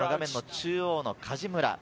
中央、梶村。